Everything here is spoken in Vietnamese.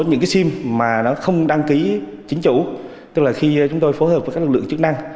những cái sim mà nó không đăng ký chính chủ tức là khi chúng tôi phối hợp với các lực lượng chức năng